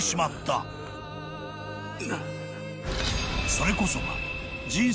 ［それこそが］